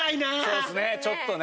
そうですねちょっとね。